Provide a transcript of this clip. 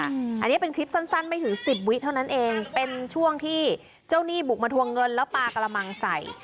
อันนี้เป็นคลิปสั้นไม่ถึงสิบวิเท่านั้นเองเป็นช่วงที่เจ้าหนี้บุกมาทวงเงินแล้วปลากระมังใส่